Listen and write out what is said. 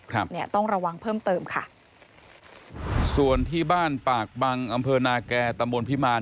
ครับเนี่ยต้องระวังเพิ่มเติมค่ะส่วนที่บ้านปากบังอำเภอนาแก่ตำบลพิมาร